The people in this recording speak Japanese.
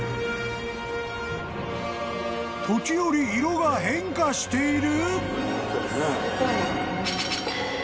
［時折色が変化している！？］